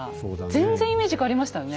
全然イメージ変わりましたよね。